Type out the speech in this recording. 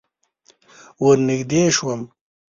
ور نږدې شوم.